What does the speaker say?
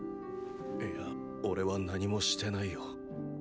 いやおれは何もしてないよ。